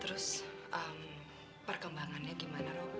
terus perkembangannya gimana